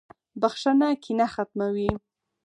• بخښنه کینه ختموي.